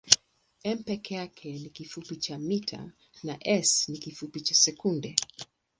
m peke yake ni kifupi cha mita na s ni kifupi cha sekunde.